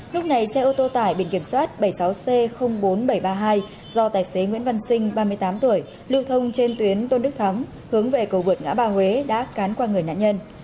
lúc này xe ô tô tải biển kiểm soát bảy mươi sáu c bốn nghìn bảy trăm ba mươi hai do tài xế nguyễn văn sinh ba mươi tám tuổi lưu thông trên tuyến tôn đức thắng hướng về cầu vượt ngã ba huế đã cán qua người nạn nhân